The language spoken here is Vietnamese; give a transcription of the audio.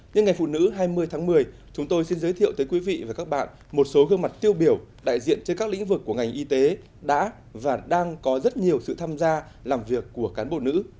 nhân ngày phụ nữ hai mươi tháng một mươi chúng tôi xin giới thiệu tới quý vị và các bạn một số gương mặt tiêu biểu đại diện trên các lĩnh vực của ngành y tế đã và đang có rất nhiều sự tham gia làm việc của cán bộ nữ